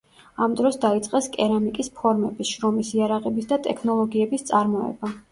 ამ დროს დაიწყეს კერამიკის ფორმების, შრომის იარაღების და ტექნოლოგიების წარმოება.